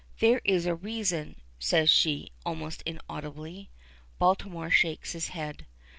"There is a reason!" says she, almost inaudibly. Baltimore shakes his head.